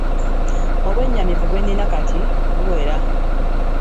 Obwennyamivu bwe nnina kati buwera.